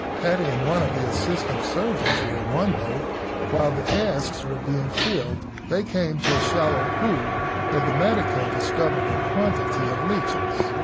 Paddy and one of the assistant surgeons were in one boat. While the casks were being filled, they came to a shallow pool, where the medico discovered a quantity of leeches.